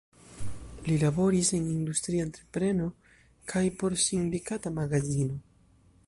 Li laboris en industria entrepreno kaj por sindikata magazino.